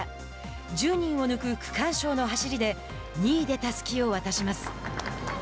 １０人を抜く区間賞の走りで２位でたすきを渡します。